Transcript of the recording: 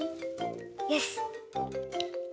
よし！